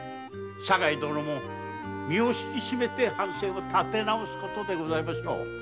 これで身を引き締めて藩政を立て直すことでございましょう。